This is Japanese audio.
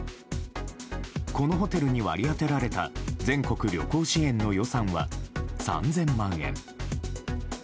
このホテルに割り当てられた全国旅行支援の予算は３０００万円。